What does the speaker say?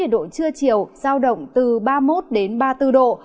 trưa chiều sao động từ ba mươi một ba mươi bốn độ